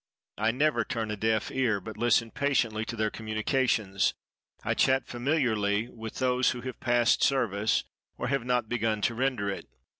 I never turn a deaf ear, but listen patiently to their communications. I chat familiarly with those who have passed service, or have not begun to render it.